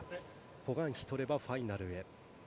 ホ・グァンヒが取ればファイナルへ。